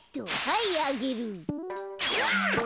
はいあげる。